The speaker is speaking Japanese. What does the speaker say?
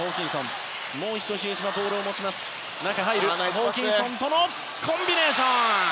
ホーキンソンとのコンビネーション！